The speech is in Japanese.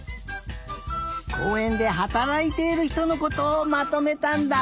こうえんではたらいているひとのことをまとめたんだ。